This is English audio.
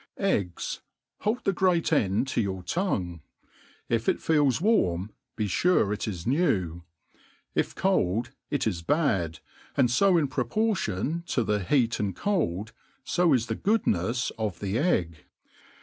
Eggs hold the great end to your tongue ; if it feela warait be fure it is new ; if cold, it is bad, and fo in proportion to the heat and cold, fo is the goodnefs of the egg.